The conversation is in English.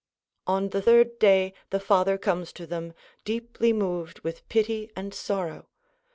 ] On the third day the father comes to them, deeply moved with pity and sorrow.